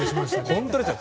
本当ですよ。